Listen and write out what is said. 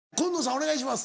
お願いします。